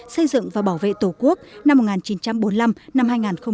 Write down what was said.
xây dựng và bảo vệ tổ quốc năm một nghìn chín trăm bốn mươi năm hai nghìn hai mươi